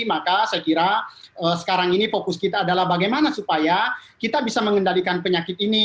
maka saya kira sekarang ini fokus kita adalah bagaimana supaya kita bisa mengendalikan penyakit ini